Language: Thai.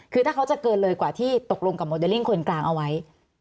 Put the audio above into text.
คือถ้าเขาจะเกินเลยกว่าที่ตกลงกับโมเดลลิ่งคนกลางเอาไว้